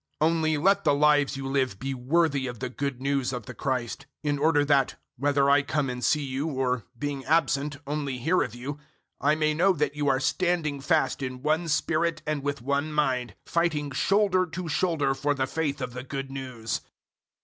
001:027 Only let the lives you live be worthy of the Good News of the Christ, in order that, whether I come and see you or, being absent, only hear of you, I may know that you are standing fast in one spirit and with one mind, fighting shoulder to shoulder for the faith of the Good News.